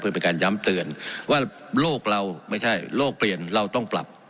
เพื่อเป็นการย้ำเตือนว่าโลกเราไม่ใช่โลกเปลี่ยนเราต้องปรับ